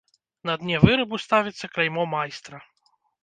На дне вырабу ставіцца кляймо майстра.